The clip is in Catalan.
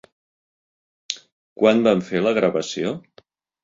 Quan van fer la gravació?